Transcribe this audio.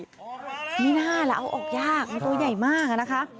ไม่น่าล่ะเอาออกยากมันตัวใหญ่มากอะนะคะ